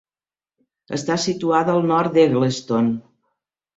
Està situada al nord d'Eggleston.